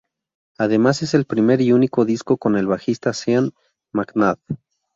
Además es el primer y único disco con el bajista Sean McNabb.